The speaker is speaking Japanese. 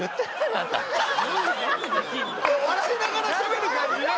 あんた笑いながらしゃべる感じね